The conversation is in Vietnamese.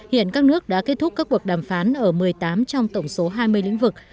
hiện các nước đã kết thúc các cuộc đàm phán ở một mươi tám trong tổng số hai mươi lĩnh vực